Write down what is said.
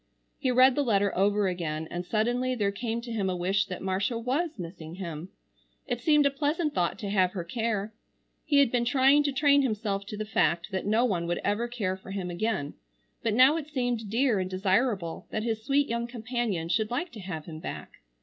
He read the letter over again, and suddenly there came to him a wish that Marcia was missing him. It seemed a pleasant thought to have her care. He had been trying to train himself to the fact that no one would ever care for him again, but now it seemed dear and desirable that his sweet young companion should like to have him back.